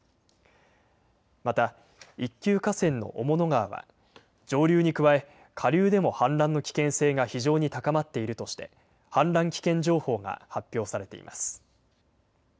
また、一級河川の雄物川は上流に加え下流でも氾濫の危険性が非常に高まっているとして氾濫危険情報が発表されています。